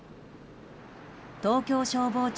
東京消防庁